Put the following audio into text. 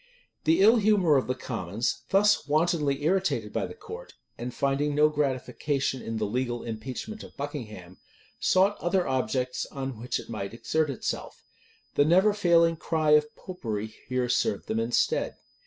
The ill humor of the commons, thus wantonly irritated by the court, and finding no gratification in the legal impeachment of Buckingham, sought other objects on which it might exert itself. The never failing cry of Popery here served them in stead.